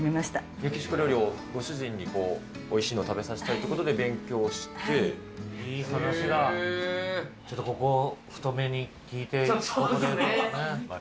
メキシコ料理をご主人においしいのを食べさせたいということで勉強して、いい話だ。